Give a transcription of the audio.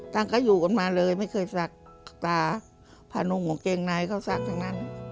ตั้งก็อยู่กันมาเลยไม่เคยซักตาพานุงกางเกงในเข้าซักทั้งนั้น